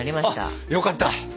あよかった。